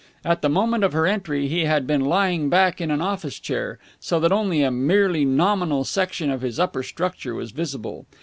At the moment of her entry he had been lying back in an office chair, so that only a merely nominal section of his upper structure was visible.